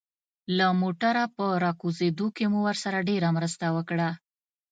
له موټره په راکوزېدو کې مو ورسره ډېره مرسته وکړه.